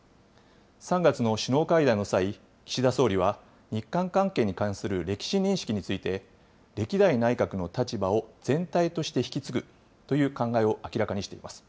３月の首脳会談の際、岸田総理は日韓関係に関する歴史認識について、歴代内閣の立場を全体として引き継ぐという考えを明らかにしています。